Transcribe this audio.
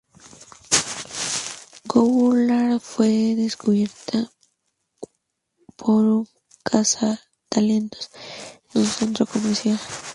Goulart fue descubierta por un cazatalentos en un centro comercial.